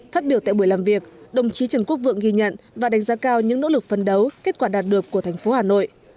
phát biểu tại buổi làm việc đồng chí trần quốc vượng ghi nhận và đánh giá cao những nỗ lực phân đấu kết quả đạt được của thành phố hà nội